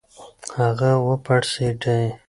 هغه و پړسېډی .